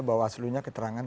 bawaslu nya keterangan